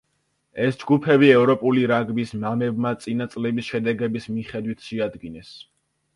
ეს ჯგუფები ევროპული რაგბის მამებმა წინა წლების შედეგების მიხედვით შეადგინეს.